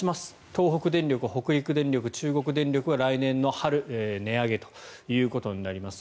東北電力、北陸電力、中国電力は来年の春値上げということになります。